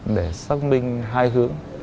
để xác minh hai hướng